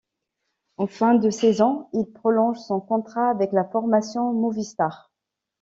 En fin de saison, il prolonge son contrat avec la formation Movistar.